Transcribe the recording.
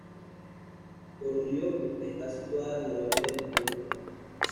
Koroliov está situada al noreste de Moscú.